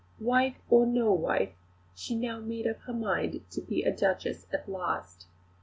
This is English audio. Wife, or no wife, she now made up her mind to be a Duchess at last.